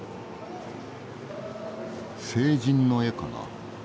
聖人の絵かな。